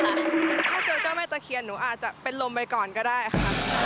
ถ้าเจอเจ้าแม่ตะเคียนหนูอาจจะเป็นลมไปก่อนก็ได้ค่ะ